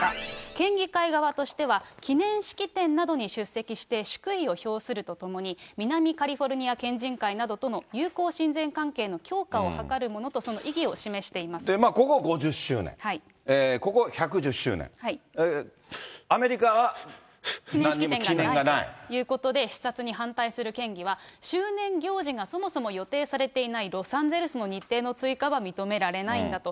県議会側としては、記念式典などに出席して祝意を表するとともに、南カリフォルニア県人会などとの友好親善関係の強化を図るものと、ここは５０周年、ここ１１０周年、アメリカはなんにも記念がない。ということで、視察に反対する県議は、周年行事がそもそも予定されていないロサンゼルスの日程の追加は認められないんだと。